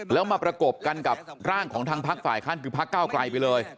แล้วมาประกบกันกับร่างของทางพักฝ่ายค้านคือพักเก้าไกลไปเลย